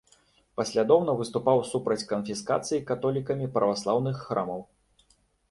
Паслядоўна выступаў супраць канфіскацыі католікамі праваслаўных храмаў.